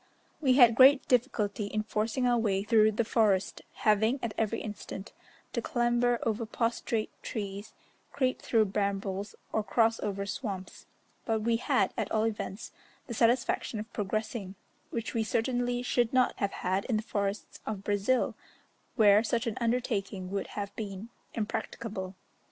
We had great difficulty in forcing our way through the forest, having, at every instant, to clamber over prostrate trees, creep through brambles or cross over swamps, but we had, at all events, the satisfaction of progressing, which we certainly should not have had in the forests of Brazil, where such an undertaking would have been impracticable.